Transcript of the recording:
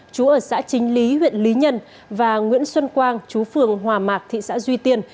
chú ở xã chính lý huyện lý nhân và nguyễn xuân quang chú phường hòa mạc thị xã duy tiên